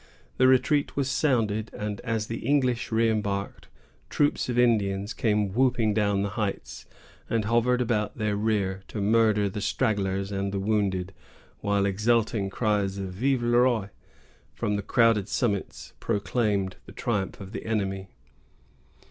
The retreat was sounded, and, as the English re embarked, troops of Indians came whooping down the heights, and hovered about their rear, to murder the stragglers and the wounded; while exulting cries of Vive le roi, from the crowded summits, proclaimed the triumph of the enemy.